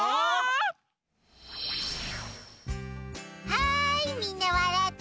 はいみんなわらって。